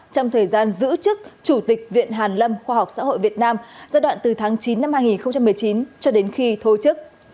trong thời gian giữ chức chủ tịch viện hàn lâm khoa học xã hội việt nam giai đoạn từ tháng chín năm hai nghìn một mươi chín cho đến khi thôi chức